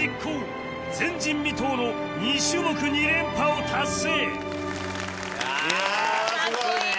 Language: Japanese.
前人未到の２種目２連覇を達成！